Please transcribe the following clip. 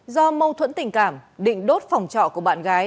do mâu thuẫn tình cảm định đốt phòng trọ của bạn gái